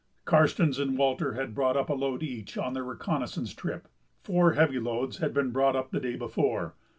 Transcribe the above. Karstens and Walter had brought up a load each on their reconnoissance trip; four heavy loads had been brought the day before.